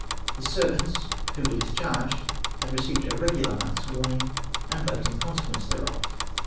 The servants, who were discharged, had received a regular month's warning, and left in consequence thereof.